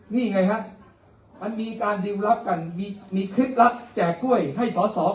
นี่ไงฮะมันมีการดิวรับกันมีเคล็ดลับแจกกล้วยให้สอสอ